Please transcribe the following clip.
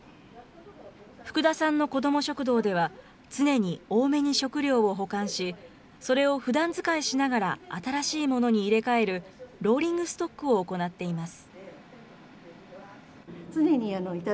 福田さんの子ども食堂では、常に多めに食料を保管し、それをふだん使いしながら新しいものに入れ替えるローリングストックを行っています。